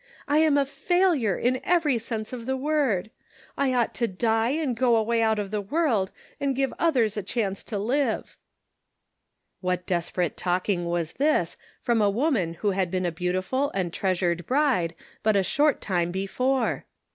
I am a failure in every sense of the word! I ought to die and go away out of the world and give others a chance to live." What desperate talking was this, from a woman who had been a beautiful and treasured bride but a short time before